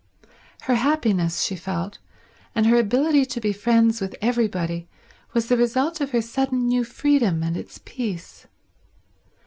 Her happiness, she felt, and her ability to be friends with everybody, was the result of her sudden new freedom and its peace.